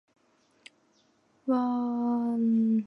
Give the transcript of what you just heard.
谒者是中国古代官名。